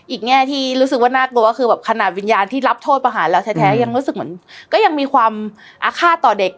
อีกแง่ที่ก็หวังว่าคณะวิญญาณที่รับโทษประหารแล้วแท้ยังรู้สึกเหมือนก็ยังมีความอาฆาตต่อเด็ก